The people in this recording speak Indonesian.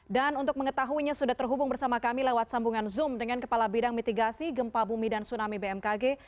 dan untuk mengetahuinya sudah terhubung bersama kami lewat sambungan zoom dengan kepala bidang mitigasi gempa bumi dan tsunami bmkg